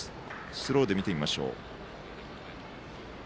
スローで見てみましょう。